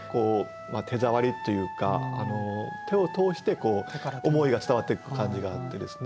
手触りというか手を通して思いが伝わっていく感じがあってですね。